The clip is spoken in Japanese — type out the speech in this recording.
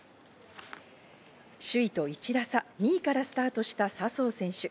首位と１打差、２位からスタートした笹生選手。